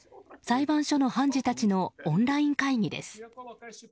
裁判所の判事たちのオンライン会議です。